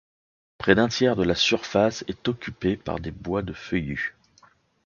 Près d'un tiers de la surface est occupée par des bois de feuillus.